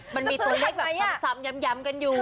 มันมีตัวเลขแบบซ้ำย้ำกันอยู่